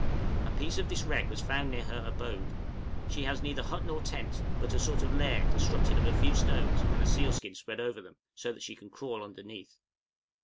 A piece of this wreck was found near her abode, she has neither hut nor tent, but a sort of lair constructed of a few stones and a seal skin spread over them, so that she can crawl underneath.